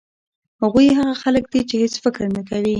هغوی هغه خلک دي چې هېڅ فکر نه کوي.